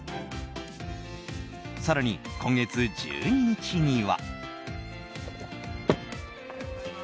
更に今月１２日には。